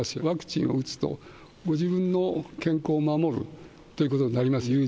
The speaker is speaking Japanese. ワクチンを打つと、ご自分の健康を守るということになります。